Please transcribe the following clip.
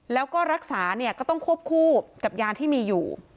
แล้วก็รักษาเนี่ยก็ต้องควบคู่กับยาที่มีอยู่